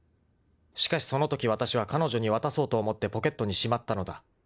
［しかしそのときわたしは彼女に渡そうと思ってポケットにしまったのだ］